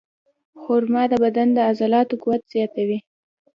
خرما د بدن د عضلاتو قوت زیاتوي.